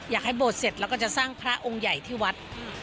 โบสถเสร็จแล้วก็จะสร้างพระองค์ใหญ่ที่วัด